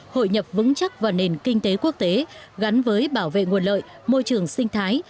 hội nhập vững chắc vào nền kinh tế quốc tế gắn với bảo vệ nguồn lợi môi trường sinh thái